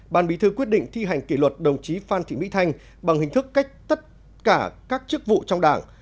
ban bí thư quyết định thi hành kỷ luật đồng chí phan thị mỹ thanh bằng hình thức cách tất cả các chức vụ trong đảng